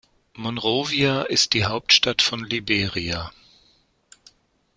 Monrovia ist die Hauptstadt von Liberia.